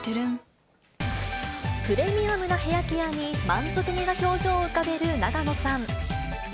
プレミアムなヘアケアに満足げな表情を浮かべる永野さん。